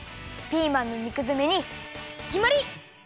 ピーマンの肉づめにきまり！